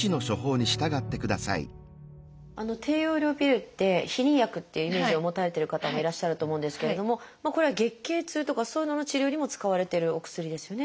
低用量ピルって避妊薬っていうイメージを持たれてる方もいらっしゃると思うんですけれどもこれは月経痛とかそういうのの治療にも使われているお薬ですよね。